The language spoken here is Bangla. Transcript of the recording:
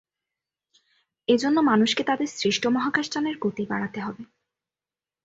এজন্য মানুষকে তাদের সৃষ্ট মহাকাশযানের গতি বাড়াতে হবে।